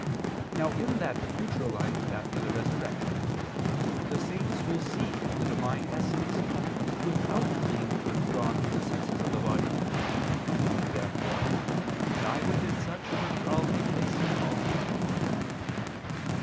Now in that future life after the resurrection the saints will see the Divine essence without being withdrawn from the senses of the body. Therefore neither did such a withdrawal take place in Paul.